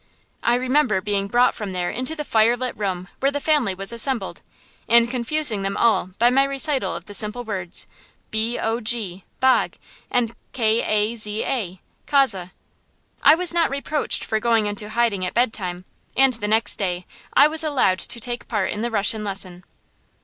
I remember being brought from there into the firelit room where the family was assembled, and confusing them all by my recital of the simple words, B O G, Bog, and K A Z A, Kaza. I was not reproached for going into hiding at bedtime, and the next day I was allowed to take part in the Russian lesson.